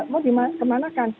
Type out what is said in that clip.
mau kemana kan